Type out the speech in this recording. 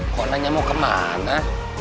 kok nanya mau kemana